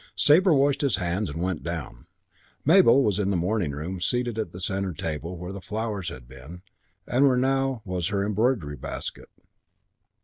Sabre washed his hands and went down. Mabel was in the morning room, seated at the centre table where the flowers had been and where now was her embroidery basket.